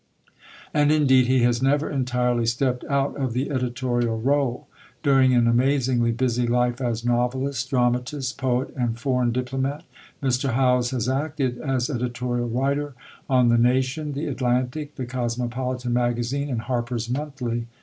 And indeed he has never entirely stepped out of the editorial rôle. During an amazingly busy life as novelist, dramatist, poet, and foreign diplomat, Mr. Howells has acted as editorial writer on the Nation, the Atlantic, the Cosmopolitan Magazine, and Harper's Monthly.